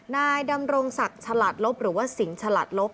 นายดำรงศักดิ์ฉลาดลบหรือว่าสิงห์ฉลาดลบ